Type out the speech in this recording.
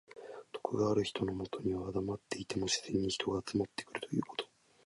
徳がある人のもとにはだまっていても自然に人が集まってくるということ。